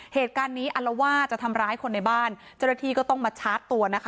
เหตุการณ์นี้อัลว่าจะทำร้ายคนในบ้านเจ้าหน้าที่ก็ต้องมาชาร์จตัวนะคะ